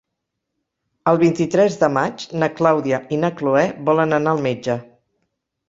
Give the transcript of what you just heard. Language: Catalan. El vint-i-tres de maig na Clàudia i na Cloè volen anar al metge.